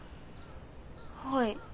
はい。